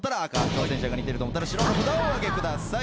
挑戦者が似てると思ったら白の札をお挙げください。